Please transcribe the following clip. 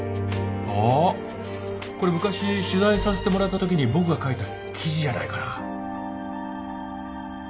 これ昔取材させてもらったときに僕が書いた記事じゃないかな？